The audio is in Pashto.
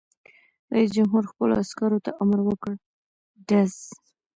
رئیس جمهور خپلو عسکرو ته امر وکړ؛ ډز!